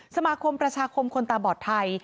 สมาคมประชาคมคนตาบอดไทย